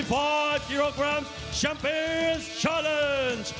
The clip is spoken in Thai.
๕๕กิโลกรัมแชมป์เบียนแชมป์เบียน